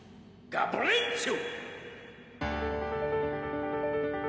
「ガブリンチョ！」